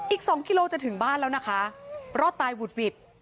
อีก๒กิโลจะถึงบ้านแล้วนะคะรอดตายหุดหวิด